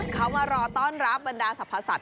เขามารอต้อนรับบรรดาสรรพสัตว